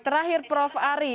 terakhir prof ari